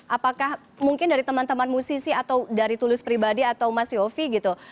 apakah mungkin dari teman teman musisi atau dari tulus pribadi atau mas yofi gitu